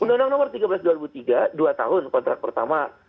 undang undang nomor tiga belas dua ribu tiga dua tahun kontrak pertama